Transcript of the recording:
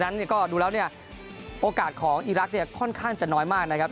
นั้นก็ดูแล้วเนี่ยโอกาสของอีรักษ์เนี่ยค่อนข้างจะน้อยมากนะครับ